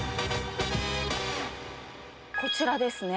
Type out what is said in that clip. こちらですね。